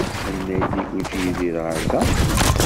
Melmi ay d-iguǧǧ Yidir ɣer da?